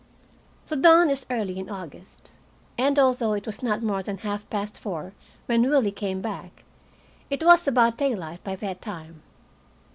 The dawn is early in August, and although it was not more than half past four when Willie came back, it was about daylight by that time.